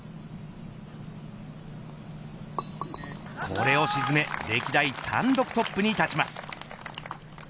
これを沈め歴代単独トップに立ちます。